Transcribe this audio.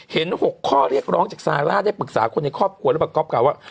เห็น๖ข้อเรียกร้องจากสหราชได้ปรึกษาคนในครอบครัวและประกอบการว่า